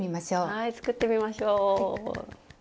はい作ってみましょう。